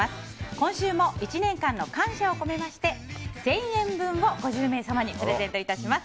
今週も１年間の感謝を込めて１０００円分５０名様にプレゼント致します。